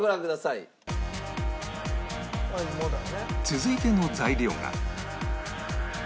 続いての材料が